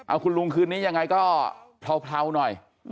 เอาคุณลุงคืนนี้ยังไงก็เผลาหน่อย